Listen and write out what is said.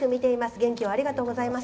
元気をありがとうございます。